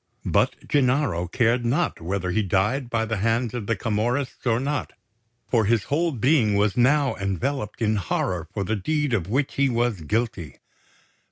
But Gennaro cared not whether he died by the hands of the Camorrists or not; for his whole being was now enveloped in horror for the deed of which he was guilty.